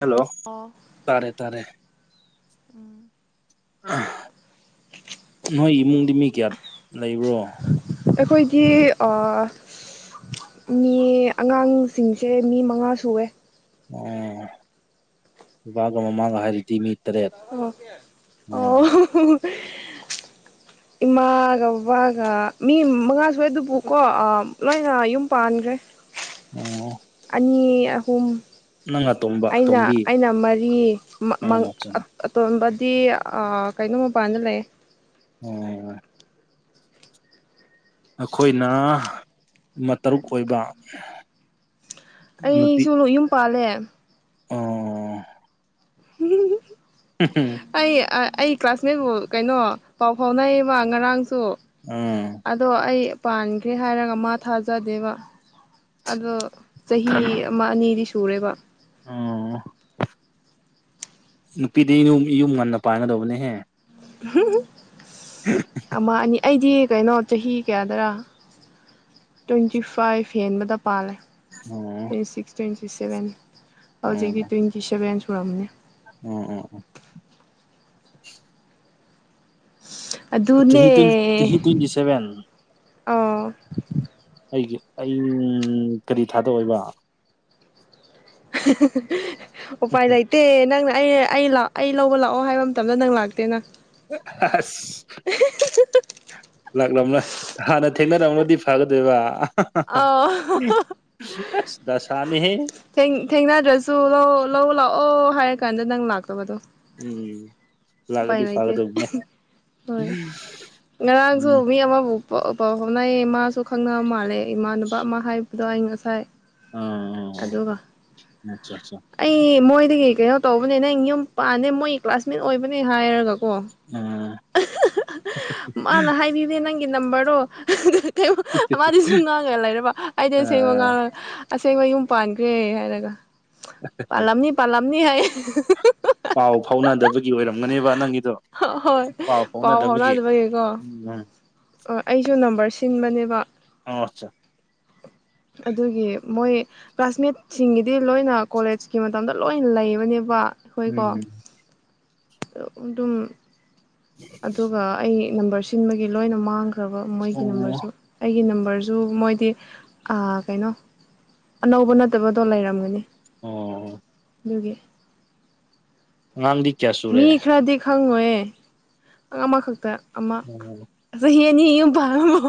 hello ꯑꯣ ꯇꯥꯔꯦ ꯇꯥꯔꯦ ꯅꯣꯏ ꯏꯃꯨꯡꯗꯤ ꯃꯤ ꯀꯌꯥꯝ ꯂꯩꯕ꯭ꯔꯣ ꯑꯩꯈꯣꯏꯒꯤ ꯑꯥ ꯃꯤ ꯑꯉꯥꯡꯁꯤꯡꯁꯦ ꯃꯤ ꯃꯉꯥ ꯁꯨꯏꯌ‌ꯦ ꯑꯣ ꯕꯕꯥꯒ ꯃꯃꯥꯒ ꯍꯥꯏꯔꯗꯤ ꯃꯤ ꯇꯔꯦꯠ ꯑꯣ ꯑꯣ ꯏꯃꯥꯒ ꯕꯕꯥꯒ ꯃꯤ ꯃꯉꯥ ꯁꯨꯏꯌ‌ꯦ ꯑꯗꯨꯕꯨꯀꯣ ꯂꯣꯏꯅ ꯌꯨꯝ ꯄꯥꯟꯈ꯭ꯔꯦ ꯑꯣ ꯑꯅꯤ ꯑꯍꯨꯝ ꯅꯪ ꯑꯇꯣꯝꯕ ꯑꯩꯅ ꯑꯇꯣꯝꯕꯤ ꯑꯩꯅ ꯃꯔꯤ ꯃꯥ ꯑꯣ ꯑꯆꯥ ꯑꯇꯣꯝꯕꯗꯤ ꯀꯩꯅꯣ ꯃꯄꯥꯟꯗ ꯂꯩꯌ‌ꯦ ꯑꯣ ꯑꯩꯈꯣꯏꯅ ꯃ ꯇꯔꯨꯛ ꯑꯣꯏꯕ ꯅꯨꯄꯤ ꯑꯩꯁꯨ ꯃꯌꯨꯝ ꯄꯥꯜꯂꯦ ꯑꯣ [unintelligible] [unintelligible] ꯑꯩ ꯑꯩ ꯀ꯭ꯂꯥꯁꯃꯦꯠꯕꯨ ꯀꯩꯅꯣ ꯄꯥꯎ ꯐꯥꯎꯅꯩꯌꯦꯕ ꯉꯔꯥꯡꯁꯨ ꯎꯝ ꯑꯗꯣ ꯑꯩ ꯄꯥꯟꯈ꯭ꯔꯦ ꯍꯥꯏꯔꯒ ꯃꯥ ꯊꯥꯖꯗꯦꯕ ꯑꯗꯣ ꯆꯍꯤ ꯑꯃ ꯑꯅꯤꯗꯤ ꯁꯨꯔꯦꯕ ꯑꯣ ꯅꯨꯄꯤꯗꯤ ꯌꯨꯝ ꯌꯨꯝ ꯉꯟꯅ ꯄꯥꯟꯒꯗꯧꯕꯅꯦꯍꯦ ꯑꯃ ꯑꯅꯤ ꯑꯩꯗꯤ ꯀꯩꯅꯣ ꯆꯍꯤ ꯀꯌꯥꯗꯔꯥ ꯇ꯭ꯋꯦꯟꯇꯤ ꯐꯥꯏꯚ ꯍꯦꯟꯕꯗ ꯄꯥꯜꯂꯦ ꯑꯣ ꯇ꯭ꯋꯦꯟꯇꯤ ꯁꯤꯛꯁ ꯇ꯭ꯋꯦꯟꯇꯤ ꯁꯚꯦꯟ ꯍꯧꯖꯤꯛꯀꯤ ꯇ꯭ꯋꯦꯟꯇꯤ ꯁꯚꯦꯟ ꯁꯨꯔꯝꯃꯅꯤ ꯎꯝ ꯎꯝ ꯎꯝ ꯑꯗꯨꯅꯦ ꯆꯍꯤ ꯇ꯭ꯋꯦꯟ ꯆꯍꯤ ꯇ꯭ꯋꯦꯟꯇꯤ ꯁꯚꯦꯟ ꯑꯣ ꯑꯩꯒꯤ ꯑꯩ ꯀꯔꯤ ꯊꯥꯗ ꯑꯣꯏꯕ [unintelligible] ꯎꯄꯥꯏ ꯂꯩꯥ ꯇꯦ ꯅꯪꯅ ꯑꯩ ꯑꯩ ꯑꯩ ꯂꯧꯕ ꯂꯥꯛꯑꯣ ꯍꯥꯏꯕ ꯃꯇꯝꯗ ꯅꯪ ꯂꯥꯛꯇꯦꯅ ꯑꯁ [unintelligible] ꯂꯥꯛꯂꯝꯔꯣꯏ ꯍꯥꯟꯅ ꯊꯦꯡꯅꯔꯝꯃꯗꯤ ꯐꯒꯗꯣꯏꯕ ꯍꯥ ꯍꯥ ꯍꯥ ꯑꯥꯎ ꯑꯁ ꯗꯁꯥꯅꯤꯍꯦ ꯊꯦꯡꯅꯗ꯭ꯔꯁꯨ ꯂꯥꯎ ꯂꯥꯛꯑꯣ ꯍꯥꯏꯔ ꯀꯥꯟꯗ ꯅꯪ ꯂꯥꯛꯇꯕꯗꯣ ꯎꯝ ꯎꯄꯥꯏ ꯂꯥꯛꯑꯗꯤ ꯂꯩꯇꯦ ꯐꯒꯗꯧꯕꯅꯦ ꯍꯣꯏ ꯉꯔꯥꯡꯁꯨ ꯎꯝ ꯃꯤ ꯑꯃꯕꯨ ꯄꯥꯎ ꯐꯥꯎꯅꯌꯦ ꯃꯥꯁꯨ ꯈꯪꯅꯕ ꯃꯥꯜꯂꯦ ꯏꯃꯥꯟꯅꯕ ꯑꯃ ꯍꯥꯏꯕꯗꯣ ꯑꯩ ꯉꯁꯥꯏ ꯑꯥ ꯑꯗꯨꯒ ꯑꯆꯥ ꯑꯆꯥ ꯑꯩ ꯃꯣꯏꯗꯒꯤ ꯀꯩꯅꯣ ꯇꯧꯕꯅꯦ ꯅꯪ ꯌꯨꯝ ꯄꯥꯟꯅꯦ ꯃꯣꯏꯒꯤ ꯀ꯭ꯂꯥꯁꯃꯦꯠ ꯑꯣꯏꯕꯅꯦ ꯍꯥꯏꯔꯒꯀꯣ ꯑꯣ ꯑꯥ [unintelligible] ꯃꯥꯅ ꯍꯥꯏꯕꯤꯗꯦ ꯅꯪꯒꯤ ꯅꯝꯕꯔꯗꯣ ꯀꯩꯝ ꯃꯥꯗꯤ ꯁꯨꯝ ꯉꯥꯡꯉꯦ ꯂꯩꯔꯕ ꯑꯩꯗꯤ ꯑꯁꯦꯡꯕ ꯑꯥ ꯉꯥꯡꯉꯒ ꯑꯁꯦꯡꯕ ꯌꯨꯝ ꯄꯥꯟꯈ꯭ꯔꯦ ꯍꯥꯏꯔꯒ ꯄꯥꯜꯂꯝꯅꯤ ꯄꯥꯜꯂꯝꯅꯤ ꯍꯥꯏ ꯄꯥꯎ ꯐꯥꯎꯅꯗꯕꯒꯤ ꯑꯣꯏꯔꯝꯒꯅꯦꯕ ꯅꯪꯒꯤꯗꯣ ꯍꯣꯏ ꯄꯥꯎ ꯐꯥꯎꯅꯗꯕꯒꯤ ꯎꯝ ꯎꯝ ꯑꯩꯁꯨ ꯅꯝꯕꯔ ꯁꯤꯟꯕꯅꯦꯕ ꯑꯆꯥ ꯑꯗꯨꯒꯤ ꯃꯣꯏ ꯀ꯭ꯂꯥꯁꯃꯦꯠꯁꯤꯡꯒꯤꯗꯤ ꯂꯣꯏꯅ ꯀꯣꯂꯦꯖꯀꯤ ꯃꯇꯝꯗ ꯂꯣꯏꯅ ꯂꯩꯕꯅꯦꯕ ꯑꯩꯈꯣꯏꯀꯣ ꯎꯝ ꯑꯗꯨꯝ ꯑꯗꯨꯒ ꯑꯩ ꯅꯝꯕꯔ ꯁꯤꯟꯕꯒꯤ ꯂꯣꯏꯅ ꯃꯥꯡꯈ꯭ꯔꯕ ꯃꯣꯏꯒꯤ ꯎꯝ ꯑꯣ ꯅꯝꯕꯔꯁꯨ ꯑꯩꯒꯤ ꯅꯝꯕꯔꯁꯨ ꯃꯣꯏꯗꯤ ꯑꯥ ꯀꯩꯅꯣ ꯑꯅꯧꯕ ꯅꯠꯇꯕꯗꯣ ꯂꯩꯔꯝꯒꯅꯤ ꯑꯣ ꯑꯗꯨꯒꯤ ꯑꯉꯥꯡꯗꯤ ꯀꯌꯥꯁꯨ ꯃꯤ ꯈꯔꯗꯤ ꯈꯪꯉꯣꯏꯍꯦ ꯑꯃꯈꯛꯇ ꯑꯃ ꯑꯣ ꯆꯍꯤ ꯑꯅꯤ ꯌꯨꯝ ꯄꯥꯜꯔꯝꯃꯣ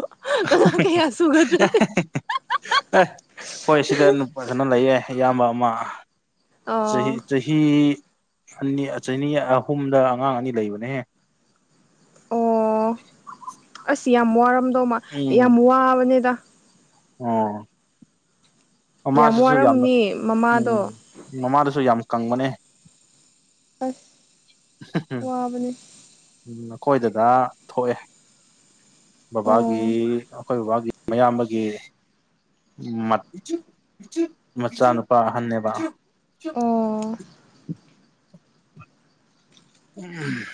[unintelligible] ꯑꯦ ꯍꯣꯏ ꯁꯤꯗꯅꯨ ꯐꯖꯅ ꯂꯩꯌꯦ ꯑꯌꯥꯝꯕ ꯑꯃ ꯑꯣ ꯆꯍꯤ ꯆꯍꯤ ꯆꯍꯤ ꯑꯅꯤ ꯆꯅꯤ ꯑꯍꯨꯝꯗ ꯑꯉꯥꯡ ꯑꯅꯤ ꯂꯩꯕꯅꯦꯍꯦ ꯑꯣ ꯑꯁ ꯌꯥꯝ ꯋꯥꯔꯝꯗꯧꯃ ꯎꯝ ꯌꯥꯝ ꯋꯥꯕꯅꯦꯗ ꯑꯣ ꯌꯥꯝ ꯑꯃꯁꯤꯁꯨ ꯌꯥꯝꯅ ꯋꯥꯔꯝꯅꯤ ꯃꯃꯥꯗꯣ ꯎꯝ ꯃꯃꯥꯗꯨꯁꯨ ꯌꯥꯝ ꯀꯪꯕꯅꯦ ꯑꯁ ꯋꯥꯕꯅꯦ ꯎꯝ ꯑꯩꯈꯣꯏꯗꯥꯗ ꯊꯣꯛꯑꯦ ꯕꯕꯥꯒꯤ ꯑꯣ ꯑꯩꯈꯣꯏ ꯕꯕꯥꯒꯤ ꯃꯌꯥꯝꯕꯒꯤ ꯃꯠ ꯃꯆꯥꯅꯨꯄꯥ ꯑꯍꯟꯅꯦꯕ ꯑꯣ ꯎꯝ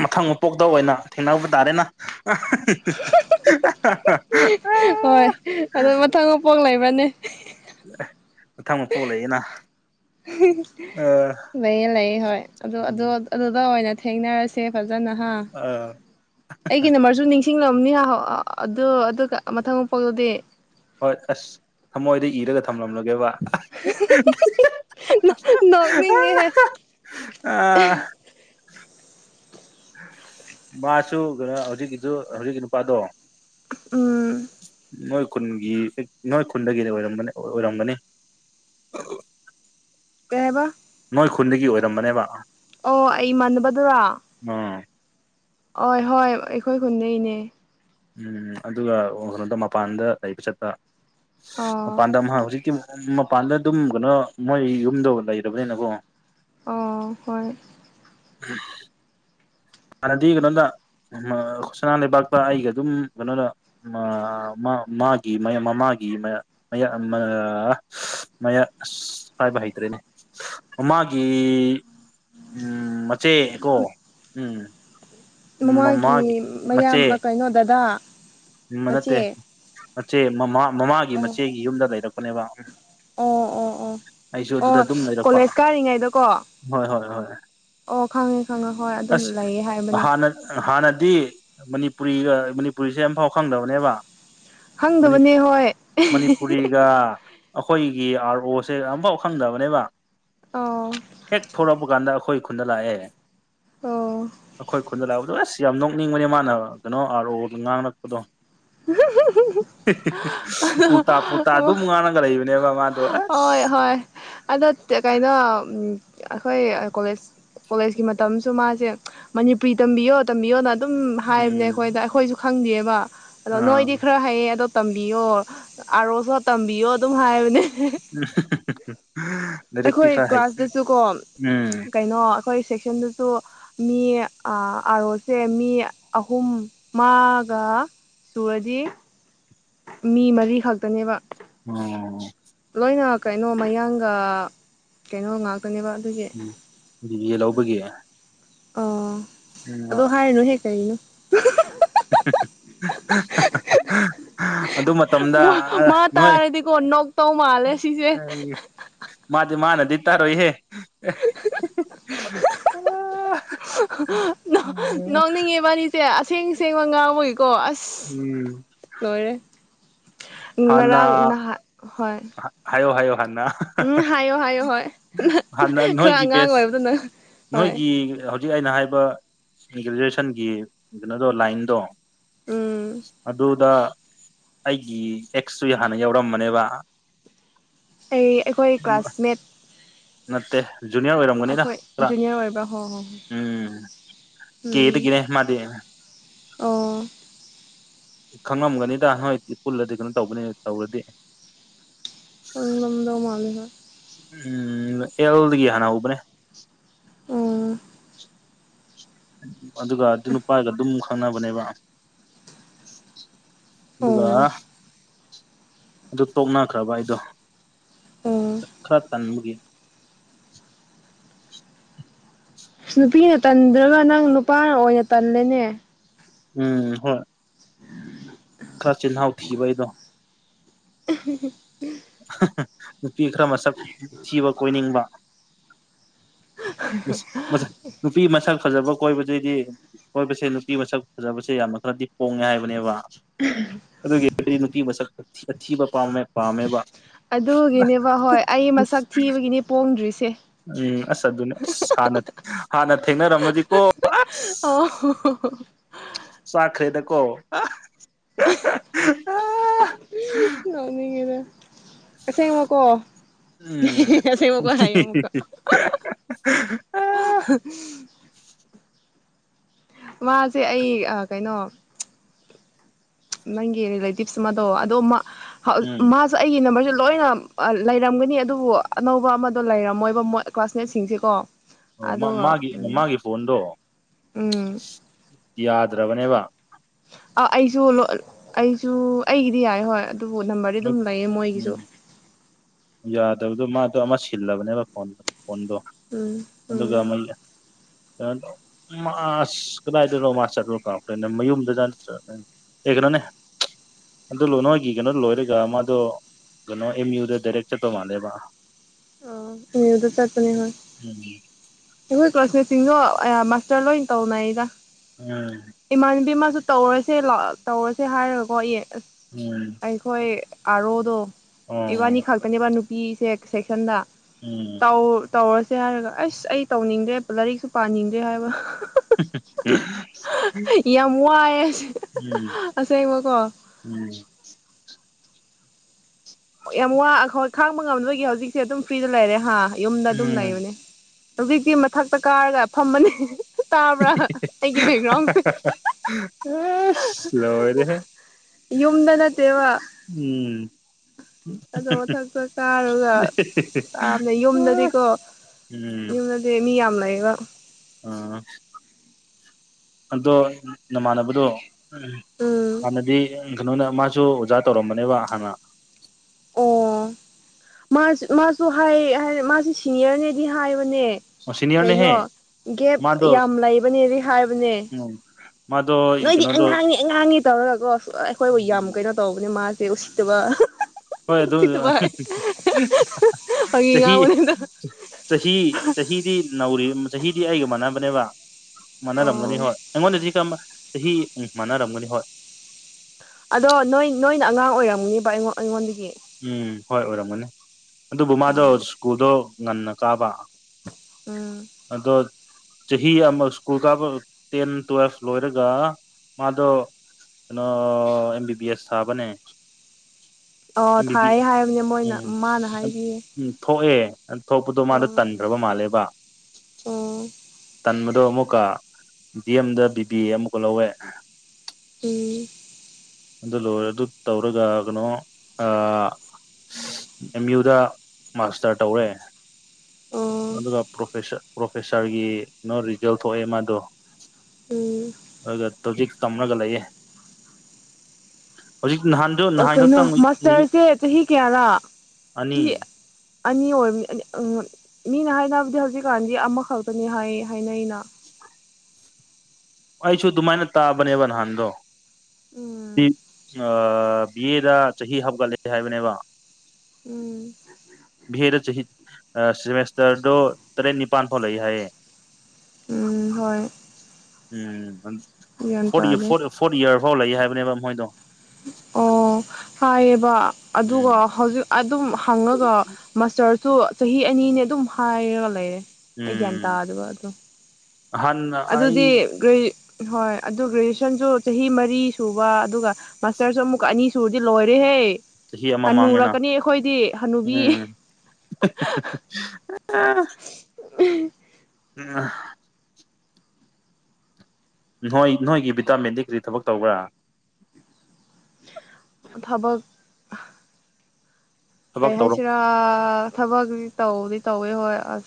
ꯃꯊꯪ ꯃꯄꯣꯛꯇ ꯑꯣꯏꯅ ꯊꯦꯡꯅꯕ ꯇꯥꯔꯦꯅ ꯍꯣꯏ ꯑꯗꯣ [unintelligible] ꯃꯊꯪ ꯃꯄꯣꯛ ꯂꯩꯥꯕꯔꯅꯦ ꯑꯦ ꯃꯊꯪ ꯃꯄꯣꯛ ꯂꯩꯌꯦꯅ ꯑ ꯂꯩꯌꯦ ꯂꯩꯌꯦ ꯍꯣꯏ ꯑꯗꯣ ꯑꯗꯣ ꯎꯝ ꯑꯗꯨꯗ ꯑꯣꯏꯅ ꯊꯦꯡꯅꯔꯁꯦ ꯐꯖꯅ ꯍꯥ ꯑ ꯑꯩꯒꯤ ꯅꯝꯕꯔꯁꯨ ꯅꯤꯡꯁꯤꯡꯂꯝꯅꯤ ꯑ ꯑꯗꯨ ꯑꯗꯨꯒ ꯃꯊꯪ ꯃꯄ‌ꯣꯛꯇꯗꯤ ꯍꯣꯏ ꯑꯁ ꯊꯃꯣꯏꯗ ꯏꯔꯒ ꯊꯝꯂꯝꯂꯒꯦꯕ ꯅꯣꯛꯅꯤꯡꯉꯦꯍꯦ ꯑ ꯃꯥꯁꯨ ꯀꯩꯅꯣ ꯍꯧꯖꯤꯛꯀꯤꯗꯨ ꯍꯧꯖꯤꯛꯀꯤ ꯅꯨꯄꯥꯗꯣ ꯎꯝ ꯅꯣꯏ ꯈꯨꯟꯒꯤ ꯅꯣꯏ ꯈꯨꯟꯗꯒꯤꯔ ꯑꯣꯏꯔꯝꯒꯅꯤ ꯑ‌ꯣꯏꯔꯝꯒꯅꯤ ꯀꯩꯍꯥꯏꯕ ꯅꯣꯏ ꯈꯨꯟꯗꯒꯤ ꯑꯣꯏꯔꯝꯕꯅꯦꯕ ꯑꯣ ꯑꯩ ꯃꯥꯟꯅꯕꯗꯨꯔꯣ ꯎꯝ ꯍꯣꯏ ꯍꯣꯏ ꯑꯩꯈꯣꯏ ꯈꯨꯟꯗꯩꯅꯦ ꯎꯝ ꯑꯗꯨꯒ ꯀꯩꯅꯣꯗ ꯃꯄꯥꯟꯗ ꯂꯩꯕ ꯆꯠꯄ ꯑꯣ ꯃꯄꯥꯟꯗ ꯃꯍꯥꯛ ꯍꯧꯖꯤꯛꯀꯤ ꯃꯄꯥꯟꯗ ꯑꯗꯨꯝ ꯀꯩꯅꯣ ꯃꯣꯏ ꯌꯨꯝꯗꯣ ꯂꯩꯔꯕꯅꯤꯅꯀꯣ ꯑꯣ ꯍꯣꯏ ꯎꯝ ꯍꯥꯟꯅꯗꯤ ꯀꯩꯅꯣꯗ ꯁꯅꯥ ꯂꯩꯕꯥꯛꯇ ꯑꯩꯒ ꯑꯗꯨꯝ ꯀꯩꯅꯣꯗ ꯃꯥ ꯃꯥ ꯃꯥꯒꯤ ꯃꯃꯥꯒꯤ ꯃꯔꯛ ꯃꯌꯥ ꯃ ꯃꯌꯥ ꯄꯥꯏꯕ ꯍꯩꯇ꯭ꯔꯦꯅꯦ ꯃꯃꯥꯒꯤ ꯎꯝ ꯃꯆꯦꯀꯣ ꯎꯝ ꯃꯃꯥꯒꯤ ꯃꯌꯥꯝ ꯀꯩꯅꯣ ꯗꯗꯥ ꯎꯃ ꯅꯠꯇꯦ ꯃꯆꯦ ꯃꯆꯦ ꯃꯃꯥ ꯃꯃꯥꯒꯤ ꯑꯣ ꯃꯆꯦꯒꯤ ꯌꯨꯝꯗ ꯂꯩꯔꯛꯄꯅꯦꯕ ꯎꯝ ꯑꯣ ꯑꯣ ꯑꯣ ꯑꯩꯁꯨ ꯑꯗꯨꯗ ꯑꯣ ꯑꯗꯨꯝ ꯂꯩꯔꯛꯄ ꯀꯣꯂꯦꯖ ꯀꯥꯔꯤꯉꯩꯗꯀꯣ ꯍꯣꯏ ꯍꯣꯏ ꯍꯣꯏ ꯑꯣ ꯈꯪꯉꯦ ꯈꯪꯉꯦ ꯍꯣꯏ ꯑꯗꯨꯝ ꯑꯁ ꯂꯩꯌꯦ ꯍꯥꯏꯕꯅꯦ ꯍꯥꯟꯅ ꯍꯥꯟꯅꯗꯤ ꯃꯅꯤꯄꯨꯔꯤꯒ ꯃꯅꯤꯄꯨꯔꯤꯁꯦ ꯑꯃꯐꯥꯎ ꯈꯪꯗꯕꯅꯦꯕ ꯃꯅꯤ ꯈꯪꯗꯕꯅꯦ ꯍꯣꯏ ꯃꯅꯤꯄꯨꯔꯤꯒ ꯑꯩꯈꯣꯏꯒꯤ ꯑꯥꯔ ꯒ‌ꯣꯁ‌ꯦ ꯑꯝꯐꯥꯎ ꯈꯪꯗꯕꯅꯦꯕ ꯑꯣ ꯍꯦꯛ ꯊꯣꯛꯂꯛꯄ ꯀꯥꯟꯗ ꯑꯩꯈꯣꯏ ꯈꯨꯟꯗ ꯂꯥꯛꯑꯦ ꯑꯣ ꯑꯈꯣꯏ ꯈꯨꯟꯗ ꯂꯥꯎꯕꯗ ꯑꯁ ꯌꯥꯝ ꯅꯣꯛꯅꯤꯡꯕꯅꯦ ꯃꯥꯅ ꯀꯩꯅꯣ ꯑꯥꯔ ꯑꯣꯒ ꯉꯥꯡ ꯅꯛꯄꯗꯣ [unintelligible] ꯎꯇꯥ ꯄꯨꯜꯇꯥ ꯑꯗꯨꯝ ꯑꯣ ꯉꯥꯡꯂꯒ ꯂꯩꯕꯅꯦꯕ ꯃꯥꯗꯣ ꯍꯣꯏ ꯑꯁ ꯍꯣꯏ ꯑꯗꯣ ꯀꯩꯅꯣ ꯎꯝ ꯑꯩꯈꯣꯏ ꯀꯣꯂꯦꯖ ꯀꯣꯂꯦꯖꯀꯤ ꯃꯇꯝꯁꯨ ꯃꯥꯁꯦ ꯃꯅꯤꯄꯨꯔꯤ ꯇꯝꯕꯤꯌꯣ ꯇꯝꯕꯤꯌꯣꯅ ꯑꯗꯨꯝ ꯍꯥꯏꯕꯅꯦ ꯎꯝ ꯑꯩꯈꯣꯏꯗ ꯑꯩꯈꯣꯏꯁꯨ ꯈꯪꯗꯦꯕ ꯑꯗꯣ ꯑꯥ ꯅꯣꯏꯗꯤ ꯈꯔ ꯈꯔ ꯍꯥꯏꯌꯦ ꯑꯗꯣ ꯇꯝꯕꯤꯌꯣ ꯑꯥꯔꯣꯁꯨ ꯇꯝꯕꯤꯌꯣ ꯑꯗꯨꯝ ꯍꯥꯏꯕꯅꯦ [unintelligible] ꯑꯩꯈꯣꯏ ꯈꯔ ꯍꯩ ꯀ꯭ꯂꯥꯁꯇꯁꯨ ꯀꯣ ꯎꯝ ꯀꯩꯅꯣ ꯑꯩꯈꯣꯏ ꯁꯦꯛꯁꯟꯗ ꯁꯣ ꯃꯤ ꯑꯥꯔꯣꯁꯦ ꯃꯤ ꯑꯍꯨꯝ ꯑꯃꯒ ꯁꯨꯔꯖꯤ ꯃꯤ ꯃꯔꯤ ꯈꯛꯇꯅꯦꯕ ꯎꯝ ꯂꯣꯏꯅ ꯀꯩꯅꯣ ꯃꯌꯥꯡꯒ ꯀꯩꯅꯣ ꯉꯥꯛ ꯎꯝ ꯕꯤꯔ‌ꯦ ꯂꯧꯕꯒꯤ ꯑꯣ ꯑꯗꯨ ꯍꯥꯏꯅꯨꯍꯦ ꯀꯔꯤꯅꯣ [unintelligible] ꯑꯗꯨ ꯃꯇꯝꯗ ꯑ ꯃꯥ ꯅꯣꯏ ꯇꯥꯔꯗꯤꯀꯣ ꯅꯣꯛꯇꯧ ꯃꯥꯜꯂꯦ ꯁꯤꯁꯦ ꯃꯥꯗꯤ ꯃꯥꯅ ꯗꯤ ꯇꯔꯣꯏ ꯍꯦ ꯅ‌ꯣꯛꯅꯤꯡꯉ‌ꯦ ꯋꯥꯔꯤ ꯁꯦ ꯑꯁꯦꯡ ꯁꯦꯡꯕ ꯉꯥꯡꯕꯒꯤꯀꯣ ꯑꯁ ꯎꯝ ꯂꯣꯏꯔꯦ ꯍꯥꯟꯅ ꯉꯔꯥꯡ ꯅꯍꯥ ꯍꯣꯏ ꯍꯥꯏꯌꯣ ꯍꯥꯏꯌꯣ ꯍꯟꯅ ꯎꯝ ꯍꯥꯏꯌꯣ ꯍꯥꯏꯌꯣ ꯍꯣꯏ ꯍꯥꯟꯅ ꯈꯔ ꯅꯣꯏꯒꯤ ꯑꯉꯥꯡ ꯕꯦꯠꯁ ꯑꯣꯏꯕꯗꯨꯅ ꯍꯣꯏ ꯅꯣꯏꯒꯤ ꯍꯧꯖꯤꯛ ꯍꯧꯖꯤꯛ ꯑꯩꯅ ꯍꯥꯏꯕ ꯒ꯭ꯔꯦꯖ꯭ꯋꯦꯁꯟꯒꯤ ꯀꯩꯅꯣꯗꯣ ꯂꯥꯏꯟꯗꯣ ꯎꯝ ꯑꯗꯨꯗ ꯑꯩꯒꯤ ꯑꯦꯛꯁꯁꯨ ꯍꯥꯟꯅ ꯌꯥꯎꯔꯝꯕꯅꯦꯕ ꯑꯩ ꯑꯩꯈꯣꯏ ꯀ꯭ꯂꯥꯁꯃꯦꯠ ꯅꯠꯇꯦ ꯖꯨꯅꯤꯌ꯭ꯔ ꯑꯣꯏꯔꯝꯒꯅꯤꯅ ꯑꯩꯈꯣꯏ ꯈꯔ ꯖꯨꯅꯤꯌꯔ ꯑꯣꯏꯕ꯭ꯔꯥ ꯍꯣ ꯍꯣ ꯎꯝ ꯀꯦ ꯍꯣꯏ ꯗꯒꯤꯅꯦ ꯃꯥꯗꯤ ꯑꯣ ꯈꯪꯉꯝꯒꯅꯤꯗ ꯅꯣꯏꯗꯤ ꯄꯨꯜꯂꯗꯤ ꯑꯗꯨꯝ ꯇꯧꯕꯅꯦ ꯇꯧꯔꯗꯤ ꯈꯡꯒꯝꯗꯧ ꯃꯥꯟꯕ ꯎꯝ ꯑꯦꯜꯗꯒꯤ ꯍꯥꯟꯅ ꯍꯧꯕꯅꯦ ꯑꯣ ꯑꯗꯨꯒ ꯑꯗꯨ ꯅꯨꯄꯥꯒ ꯑꯗꯨꯝ ꯈꯪꯅꯕꯅꯦꯕ ꯑꯣ ꯑꯗꯨꯒ ꯑꯣ ꯑꯗꯨ ꯇꯣꯛꯅꯈ꯭ꯔꯕ ꯑꯩꯗꯣ ꯈ꯭ꯔ ꯇꯟꯕꯒꯤ ꯅꯨꯄꯤꯅ ꯇꯟꯗ꯭ꯔꯒ ꯅꯪ ꯅꯨꯄꯥꯅ ꯑꯣꯏꯅ ꯇꯜꯂꯦꯅꯦ ꯎꯝ ꯍꯣꯏ ꯈꯔ ꯆꯤꯜꯍꯥꯎ ꯊꯤꯕ ꯑꯩꯗꯣ [unintelligible] ꯅꯨꯄꯤ ꯈꯔ ꯃꯁꯛ ꯊꯤꯕ ꯀꯣꯏꯅꯤꯡꯕꯥ ꯃꯤꯁ ꯃꯁꯛ ꯅꯨꯄꯤ ꯃꯁꯛ ꯐꯖꯕ ꯀꯣꯏꯕꯗꯩꯗꯤ ꯀꯣꯏꯕꯁꯦ ꯅꯨꯄꯤ ꯃꯁꯛ ꯐꯖꯕꯁꯦ ꯌꯥꯝꯅ ꯈꯔꯗꯤ ꯄꯣꯡꯉꯦ ꯍꯥꯏꯕꯅꯦꯕ [unintelligible] ꯑꯗꯨꯒꯤꯗꯤ ꯅꯨꯄꯤ ꯃꯁꯛ ꯑꯊꯤ ꯑꯊꯤꯕ ꯄꯥꯝꯃꯦ ꯄꯥꯝꯃꯦꯕ ꯑꯗꯨꯒꯤꯅꯦꯕ ꯍꯣꯏ ꯑꯩ ꯃꯁꯛ ꯊꯤꯕꯒꯤꯅꯤ ꯄꯣꯡꯗ꯭ꯔꯤꯁꯦ ꯎꯝ ꯑꯁ ꯑꯗꯨꯅꯦ ꯑꯁ ꯍꯥꯟꯅꯗꯤ ꯍꯥꯟꯅ ꯊꯦꯡꯅꯔꯝꯃꯗꯤꯀꯣ ꯑꯁ ꯑꯣ ꯆꯥꯛꯈ꯭ꯔꯦꯗꯀꯣ ꯑꯥ ꯅꯣꯛꯅꯤꯡꯉꯦꯗ ꯑꯁꯦꯡꯕ ꯀꯣ ꯎꯝ ꯑꯁꯦꯡꯕꯀꯣ ꯍꯥꯏꯌꯦ ꯑꯃꯨꯛꯀ ꯃꯥꯁꯦ ꯑꯩ ꯑ ꯀꯩꯅꯣ ꯅꯪꯒꯤ ꯔꯤꯂꯦꯇꯤꯞꯁ ꯑꯃꯗꯣ ꯑꯗꯣ ꯃꯥ ꯍꯧ ꯎꯝ ꯃꯥꯁ ꯁꯨ ꯑꯩꯒꯤ ꯅꯝꯕ꯭ꯔꯁꯦ ꯂꯣꯏꯅ ꯂꯩꯔꯝꯒꯅꯤ ꯑꯗꯨꯕꯨ ꯑꯅꯧꯕ ꯑꯃꯗꯣ ꯂꯩꯔꯝꯃꯣꯏꯕ ꯃꯣꯏ ꯀ꯭ꯂꯥꯁꯃꯦꯠꯁꯤꯡꯁꯦꯀꯣ ꯑꯣ ꯑꯗꯨꯒ ꯃꯃꯥꯒꯤ ꯎꯝ ꯃꯥꯒꯤ ꯐꯣꯟꯗꯣ ꯎꯝ ꯌꯥꯗ꯭ꯔꯕꯅꯦꯕ ꯑꯥ ꯑꯩꯁꯨ ꯑꯩꯁꯨ ꯑꯩꯒꯤꯗꯤ ꯌꯥꯏ ꯍꯣꯏ ꯑꯗꯨꯕꯨ ꯅꯝꯕ꯭ꯔꯗꯤ ꯑꯗꯨꯝ ꯂꯩꯌꯦ ꯃꯣꯏꯒꯤꯁꯨ ꯎꯝ ꯌꯥꯗꯕꯗꯣ ꯃꯥꯗꯣ ꯑꯃ ꯁꯤꯜꯂꯕꯅꯦꯕ ꯐꯣꯟ ꯐꯣꯟꯗꯣ ꯎꯝ ꯑꯗꯨꯒ ꯎꯝ ꯑꯃꯩꯅ ꯃꯥꯁ ꯀꯗꯥꯏꯗꯅꯣ ꯃꯥ ꯆꯠꯂꯨꯔ ꯀꯥꯎꯈ꯭ꯔꯦꯅꯦ ꯃꯌꯨꯝꯗ ꯅꯠꯇ꯭ꯔ ꯑꯦ ꯀꯩꯅꯣꯅꯦ ꯑꯗꯨꯂꯣ ꯅꯣꯏꯒꯤ ꯀꯩꯅꯣ ꯂꯣꯏꯔꯦ ꯗ ꯃꯥꯗꯣ ꯀꯩꯅꯣ ꯑꯦꯝ ꯌꯨꯗ ꯗꯥꯏꯔꯦꯛ ꯆꯠꯄ ꯃꯜꯂꯦꯕ ꯑ ꯑꯦꯝ ꯌꯨꯗ ꯆꯠꯄꯅꯦ ꯃꯥ ꯎꯝ ꯑꯩꯈꯣꯏ ꯀ꯭ꯂꯥꯁꯃꯦꯠꯁꯤꯡꯗꯣ ꯑꯌꯥ ꯃꯥꯁꯇ꯭ꯔ ꯂꯣꯏ ꯇꯧꯅꯩꯗꯥ ꯎꯝ ꯏꯃꯥꯟꯅꯕꯤ ꯑꯃꯁꯨ ꯇꯧꯔꯁꯦ ꯂꯥꯎ ꯇꯧꯔꯁꯦ ꯍꯥꯏꯔꯒꯀꯣ ꯌꯦ ꯎꯝ ꯑꯩꯈꯣꯏ ꯑꯥꯔꯣꯗꯣ ꯑꯣ ꯏꯕꯥꯅꯤ ꯈꯛꯇꯅꯦꯕ ꯅꯨꯄꯤꯁꯦ ꯁꯦꯛꯁꯟꯗ ꯎꯝ ꯇꯧꯔꯁꯦ ꯍꯥꯏꯔꯒ ꯑꯁ ꯑꯩ ꯇꯧꯅꯤꯡꯗ꯭ꯔꯦ ꯂꯥꯏꯔꯤꯛꯁꯨ ꯄꯥꯅꯤꯡꯗ꯭ꯔꯦ ꯍꯥꯏꯕ ꯌꯥꯝ ꯋꯥꯏꯑꯦ ꯑꯁ ꯎꯝ ꯑꯁꯦꯡꯡꯕꯣꯀꯣ ꯎꯝ ꯌꯥꯝ ꯋꯥ ꯑꯩꯣꯏ ꯈꯥꯡꯕ ꯉꯝꯗꯣꯏꯒꯤ ꯍꯧꯖꯤꯛꯁꯦ ꯑꯗꯨꯝ ꯐ꯭ꯔꯤꯗ ꯂꯩꯔꯦ ꯍꯥ ꯌꯨꯝꯗ ꯑꯗꯨꯝ ꯎꯝ ꯂꯩꯕꯅꯦ ꯍꯧꯖꯤꯛꯇꯤ ꯃꯊꯛꯇ ꯀꯥꯔꯒ ꯐꯝꯃꯅꯤ ꯇꯥꯕ꯭ꯔꯥ ꯑꯩꯒꯤ ꯕꯦꯛꯒ꯭ꯔꯥꯎꯟꯁꯦ ꯑꯁ ꯂꯣꯏꯔꯦꯍꯦ ꯌꯝꯗꯅꯠꯇꯦꯕ ꯎꯝ ꯃꯊꯛꯇ ꯀꯥꯔꯒ ꯇꯥꯕꯅꯦ ꯌꯨꯝꯗꯗꯤꯀꯣ ꯎ ꯎꯝ ꯌꯨꯝꯗꯗꯤ ꯃꯤ ꯌꯥꯝ ꯂꯩꯌꯦꯕ ꯎꯝ ꯑꯗꯣ ꯅꯃꯥꯟꯅꯕꯗꯣ ꯎꯝ ꯎꯝ ꯍꯥꯟꯅꯗꯤ ꯀꯩꯅꯣꯅ ꯃꯥꯁꯨ ꯑꯣꯖꯥ ꯇꯧꯔꯝꯕꯅꯦꯕ ꯍꯥꯟꯅ ꯑꯣ ꯃꯥ ꯃꯥꯁꯨ ꯍꯥꯏ ꯃꯥꯁꯤ ꯁꯤꯅꯤꯌꯔꯅꯦꯗꯤ ꯍꯥꯏꯕꯅꯦ ꯑꯣ ꯁꯤꯅꯤꯌꯔꯅꯦꯍꯦ ꯀꯩꯅꯣ ꯒꯦꯞ ꯃꯥꯗꯣ ꯌꯥꯝ ꯂꯩꯕꯅꯦꯗꯤ ꯍꯥꯏꯕꯅꯦ ꯎꯝ ꯃꯥꯗꯣ ꯅꯣꯏꯗꯤ ꯀꯩꯅꯣꯗꯣ ꯑꯉꯥꯡꯉ ꯑꯉꯥꯡꯉꯦ ꯇꯧꯔꯒꯣ ꯑꯩꯈꯣꯏꯕꯨ ꯌꯥꯝꯨ ꯎꯝ ꯀꯩꯅꯣ ꯇꯥꯎꯅꯦ ꯃꯥꯁꯦ ꯎꯁꯤꯠꯇꯕ ꯍꯣꯏ ꯑꯗꯨ ꯎꯁꯤꯠꯇꯕ ꯍꯥꯏ ꯐꯥꯒꯤ ꯆꯍꯤ ꯉꯥꯡꯕꯅꯤꯗ ꯆꯍꯤ ꯆꯍꯤꯗꯤ ꯅꯧꯔꯤ ꯆꯍꯤꯗꯤ ꯑꯩꯒ ꯃꯥꯟꯅꯕꯅꯦꯕ ꯃꯥꯟꯅꯔꯝꯒꯅꯤ ꯑꯣ ꯍꯣꯏ ꯑꯩꯉꯣꯟꯗꯗꯤ ꯀꯔꯝꯕ ꯆꯍꯤ ꯃꯥꯟꯅꯔꯝꯒꯅꯤ ꯍꯣꯏ ꯑꯗꯣ ꯅꯣꯏ ꯅꯣꯏꯅ ꯑꯉꯥꯡ ꯑꯣꯏꯔꯝꯒꯅꯦꯕ ꯑꯩꯉꯣꯟ ꯑꯩꯉꯣꯟꯗꯒꯤ ꯎꯝ ꯍꯣꯏ ꯑꯣꯏꯔꯝꯒꯅꯤ ꯑꯗꯨꯕꯨ ꯃꯥꯗꯣ ꯎꯝ ꯁ꯭ꯀꯨꯜꯗꯣ ꯉꯟꯅ ꯀꯥꯕ ꯎꯝ ꯑꯗꯣ ꯆꯍꯤ ꯑꯃ ꯁ꯭ꯀꯨꯜ ꯀꯥꯞꯕ ꯇꯦꯟ ꯇꯨꯋꯦꯜꯐ ꯂꯣꯏꯔꯒ ꯃꯥꯗꯣ ꯀꯩꯅꯣ ꯑꯦꯝ ꯕꯤ ꯕꯤ ꯑꯦꯁ ꯁꯥꯕꯅꯦ ꯑꯣ ꯑꯦꯝ ꯕꯤ ꯕꯤ ꯊꯥꯏ ꯍꯥꯏꯕꯅꯦ ꯃꯣꯏꯅ ꯃꯥꯅ ꯑꯦꯁ ꯎꯝ ꯍꯥꯏꯕꯤꯌꯦ ꯎꯝ ꯊꯣꯛꯑꯦ ꯊꯣꯛꯄꯗꯣ ꯃꯥꯗ ꯑꯣ ꯇꯟ ꯔꯕ ꯃꯥꯜꯂꯦꯕ ꯑꯣ ꯇꯟꯕꯗꯣ ꯑꯃꯨꯛꯀ ꯗꯤ ꯑꯦꯝꯗ ꯕꯤꯕꯤ ꯑꯃꯨꯛꯀ ꯂꯧꯋꯦ ꯎꯝ ꯑꯗꯨꯗ ꯂꯣꯏꯔꯦ ꯑꯗꯨ ꯇꯧꯔꯒ ꯀꯩꯅꯣ ꯑꯦꯝ ꯌꯨꯗ ꯃꯥꯁꯇꯔ ꯇꯧꯔꯦ ꯑꯣ ꯑꯗꯨꯒ ꯄ꯭ꯔꯣꯐꯦꯁꯥꯔꯒꯤ ꯀꯩꯅꯣ ꯔꯤꯖꯜ ꯊꯣꯛꯑꯦ ꯃꯥꯗꯣ ꯎꯝ ꯑꯗꯨꯒ ꯇꯖꯤꯛ ꯇꯝꯅꯒ ꯂꯩꯌꯦꯦ ꯀꯩꯅꯣ ꯃꯥꯁꯇꯔꯁꯦ ꯆꯍꯤ ꯀꯌꯥꯅꯥ ꯑꯅꯤ ꯁꯤ ꯑꯅꯤ ꯑꯣꯏꯕꯅꯤ ꯃꯤꯅ ꯍꯥꯏꯅꯕꯗꯤ ꯍꯧꯖꯤꯛꯀꯥꯟꯗꯤ ꯑꯃꯈꯛꯇꯅꯤ ꯍꯥꯏ ꯍꯥꯏꯅꯩꯅ ꯎ ꯑꯩꯁꯨ ꯑꯗꯨꯃꯥꯏꯅ ꯇꯥꯕꯅꯦꯕ ꯅꯍꯥꯟꯗꯣ ꯁꯤ ꯎꯝ ꯕꯤ ꯑꯦꯗ ꯆꯍꯤ ꯍꯥꯞꯀꯠꯂꯦ ꯍꯥꯏꯕꯅꯦꯕ ꯎꯝ ꯚꯦꯗ ꯆꯍꯤ ꯁꯦꯃꯦꯁꯇꯔꯗꯨꯣ ꯇꯔꯦꯠ ꯅꯤꯄꯥꯟ ꯐꯥꯎ ꯂꯩꯏ ꯍꯥꯏꯌꯦ ꯎꯝ ꯍꯣꯏ ꯎꯝ ꯒ꯭ꯌꯥꯟ ꯐꯣꯔ ꯇꯥꯗꯦ ꯐ ꯐꯣꯔꯠ ꯏꯌꯥꯔ ꯐꯥꯎ ꯂꯩ ꯍꯥꯏꯕꯅꯦꯕ ꯃꯣꯏꯗꯣ ꯑꯣ ꯍꯥꯏꯌꯦꯕ ꯎꯝ ꯑꯗꯨꯒ ꯍꯧꯖꯤꯛ ꯑꯗꯨꯝ ꯍꯪꯉꯒ ꯃꯥꯁꯇꯔꯁꯨ ꯆꯍꯤ ꯑꯅꯤꯅꯦ ꯑꯗꯨꯝ ꯍꯥꯏꯔꯒ ꯂꯩꯔꯦ ꯑꯩ ꯒ꯭ꯌꯥꯟ ꯎꯝ ꯇꯥꯗꯕ ꯑꯗꯣ ꯍꯥꯟꯅ ꯑꯩ ꯑꯗꯨꯗꯤ ꯑꯩꯣꯏ ꯍꯣꯏ ꯑꯗꯨ ꯒ꯭ꯔꯦꯖꯨꯑꯦꯁꯟꯁꯨ ꯆꯍꯤ ꯃꯔꯤ ꯁꯨꯕ ꯑꯗꯨꯒ ꯃꯥꯁꯇꯔꯁꯨ ꯑꯃꯨꯛ ꯑꯅꯤ ꯁꯨꯔꯗꯤ ꯂꯣꯏꯔꯦꯍꯦ ꯆꯍꯤ ꯑꯃ ꯃꯥꯡꯉꯦꯅ ꯍꯟꯅꯨꯔꯛꯀꯅꯤ ꯑꯩꯈꯣꯏꯗꯤ ꯍꯟꯅꯨꯕꯤ ꯑ ꯎꯝ ꯎꯝ ꯅꯣꯏ ꯅꯣꯏꯒꯤ ꯚꯤꯇꯥꯃꯤꯟꯗꯤ ꯀꯔꯤ ꯊꯕꯛ ꯇꯧꯕ꯭ꯔꯥ ꯊꯕꯛ ꯀꯩ ꯊꯕꯛ ꯇꯧꯔꯝ ꯍꯥꯏꯁꯤꯔꯥ ꯊꯕꯛꯗꯤ ꯇꯧꯗꯤ ꯇꯧꯋꯤ ꯍꯣꯏ ꯑꯁ